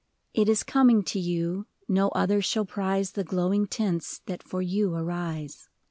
It is coming to you, no other shall prize The glowing tints that for you arise.